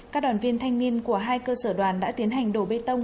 các đoàn viên thanh niên của hai cơ sở đoàn đã tiến hành đổ bê tông